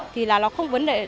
thì là nó không vấn đề